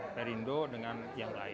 perindo dengan yang lain